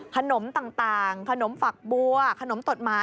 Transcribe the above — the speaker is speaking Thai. ขนมต่างขนมฝักบัวขนมตดหมา